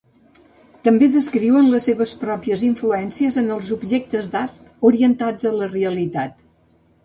També descriuen les seves pròpies influències en els objectes d'art orientats a la realitat.